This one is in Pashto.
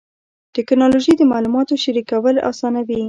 ټکنالوجي د معلوماتو شریکول اسانوي.